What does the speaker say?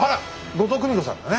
後藤久美子さんだね。